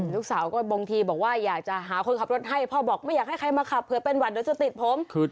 ลูกสาวก็บางทีบอกว่าอยากจะหาคนขับรถให้พ่อบอกไม่อยากให้ใครมาขับเผื่อเป็นหวัดเดี๋ยวจะติดผม